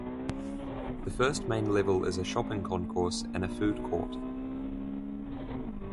The first main level is a shopping concourse and food court.